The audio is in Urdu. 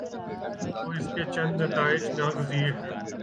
تو اس کے چند نتائج ناگزیر ہیں۔